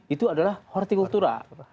itu adalah hortikultura